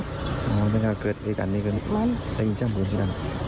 แล้วถ้าเกิดเลขอันเลขนี้ก่อนยิ่งจากปืนผู้จาน